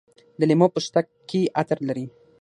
د لیمو پوستکي عطر لري.